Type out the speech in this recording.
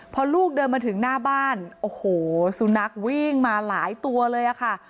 พอลูกเดินมาถึงหน้าบ้านโอ้โหสุนัขวิ่งมาหลายตัวเลยค่ะ